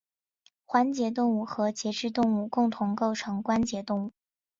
环节动物和节肢动物共同构成关节动物。